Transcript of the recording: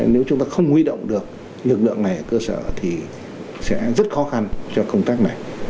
nếu chúng ta không huy động được lực lượng này ở cơ sở thì sẽ rất khó khăn cho công tác này